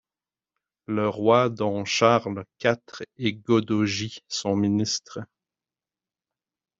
Le roi don Charles quatre et Godoji, son ministre